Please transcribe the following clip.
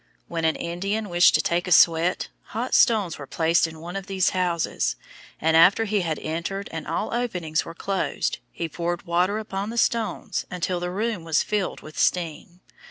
When an Indian wished to take a sweat, hot stones were placed in one of these houses, and after he had entered and all openings were closed, he poured water upon the stones until the room was filled with steam.